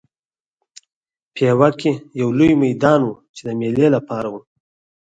پېوه کې یو لوی میدان و چې د مېلې لپاره و.